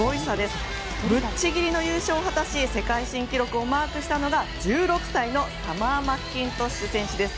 ぶっちぎりの優勝を果たし世界新記録をマークしたのが１６歳のサマー・マッキントッシュ選手です。